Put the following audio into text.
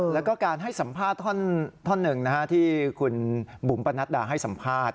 แล้วก็การให้สัมภาษณ์ท่อนหนึ่งที่คุณบุ๋มปนัดดาให้สัมภาษณ